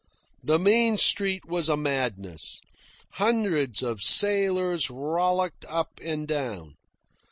The main street was a madness. Hundreds of sailors rollicked up and down.